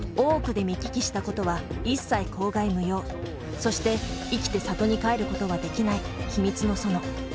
そして生きて郷に帰ることはできない秘密の園。